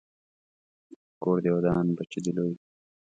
کور دې ودان، بچی دې لوی